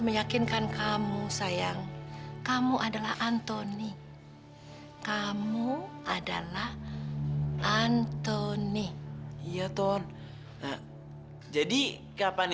pokoknya kamu tuh antoni bukan topan